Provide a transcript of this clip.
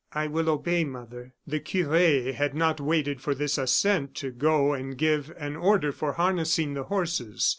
"I will obey, mother." The cure had not waited for this assent to go and give an order for harnessing the horses.